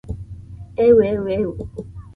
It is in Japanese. えうえうえう